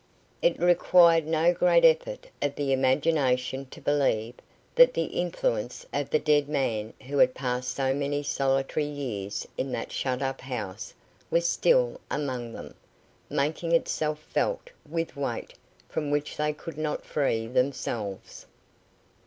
It required no great effort of the imagination to believe that the influence of the dead man who had passed so many solitary years in that shut up house was still among them, making itself felt with a weight from which they could not free themselves.